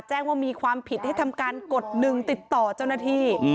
แจ้งว่ามีความผิดให้ทำการกดหนึ่งติดต่อเจ้าหน้าที่